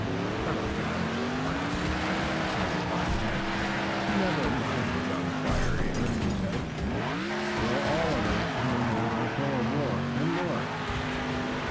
Colonel Johnson laughed and patted his shiny black head. "Never mind, young fire eater," he said. "We'll all of us soon have our fill of war and more."